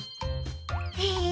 へえ。